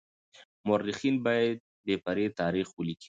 مورخين بايد بې پرې تاريخ وليکي.